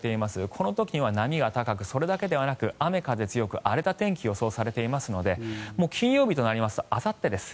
この時には波が高くそれだけではなく雨風強く、荒れた天気が予想されていますので金曜日となりますとあさってです。